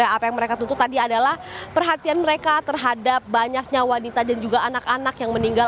apa yang mereka tuntut tadi adalah perhatian mereka terhadap banyaknya wanita dan juga anak anak yang meninggal